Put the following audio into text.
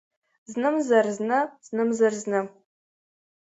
Знымзар-зны, знымзар-зны…